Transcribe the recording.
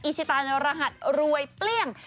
ชิตานรหัสรวยเปรี้ยง